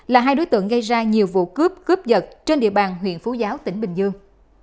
là hai đối tượng gây ra nhiều vụ cướp cướp giật trên địa bàn huyện phú giáo tỉnh bình dương